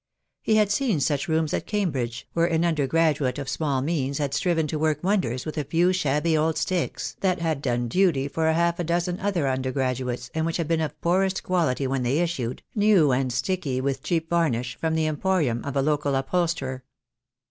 He had seen such rooms at Cambridge, where an undergraduate of small means had striven to work wonders with a few shabby old sticks that had done duty for half a dozen other undergraduates, and which had been but of poorest quality when they issued, new and sticky with cheap varnish, from the emporium of a local upholsterer.